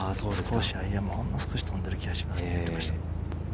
アイアンも少し飛んでいる気がしますと言っていました。